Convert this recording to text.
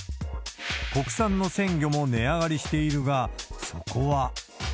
国産の鮮魚も値上がりしているが、そこは。